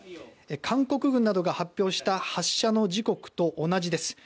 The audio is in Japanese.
韓国軍などが発表した発射の時刻と同じです。